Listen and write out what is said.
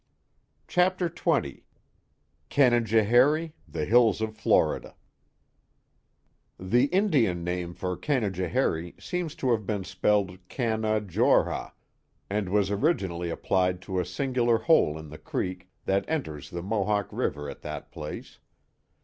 Chapter XX Canajoharie — The Hills of Florida THE Indian name for Canajoharie seems to have been spelled Can a jor ha, and was originally applied to a singular hole in the creek that enters the Mohawk River at that place.